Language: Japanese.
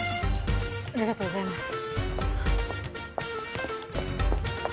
ありがとうございます。